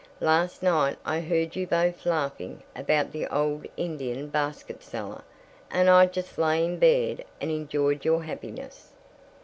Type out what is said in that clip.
Last night I heard you both laughing about the old Indian basket seller, and I just lay in bed and enjoyed your happiness."